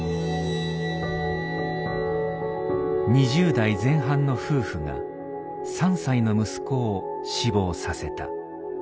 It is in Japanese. ２０代前半の夫婦が３歳の息子を死亡させた。